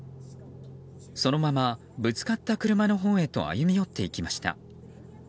そのままぶつかった車のほうへと歩み寄っていきました。